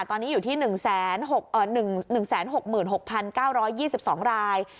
ตอนนี้อยู่ที่หนึ่งแสนหกเอ่อหนึ่งหนึ่งแสนหกหมื่นหกพันเก้าร้อยยี่สิบสองราย